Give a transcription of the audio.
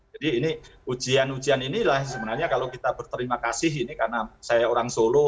jadi ini ujian ujian inilah sebenarnya kalau kita berterima kasih ini karena saya orang solo